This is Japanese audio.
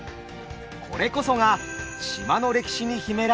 これこそが島の歴史に秘められた謎。